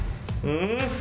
うん？